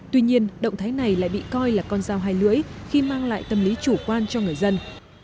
tuy nhiên động thái này lại bị coi là con dao hai lưỡi khi mang lại tâm lý chủ quan cho người dân